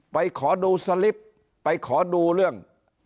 ขอดูสลิปไปขอดูเรื่อง